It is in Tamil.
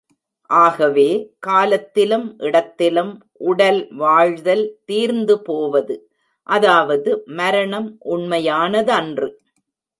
ஆகவே, காலத்திலும் இடத்திலும் உடல் வாழ்தல் தீர்ந்துபோவது, அதாவது மரணம் உண்மையானதன்று.